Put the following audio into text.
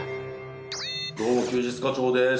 どうも休日課長です。